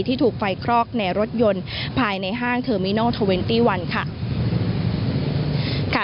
ที่ถูกไฟคลอกในรถยนต์ภายในห้างเทอร์มินัล๒๑ค่ะ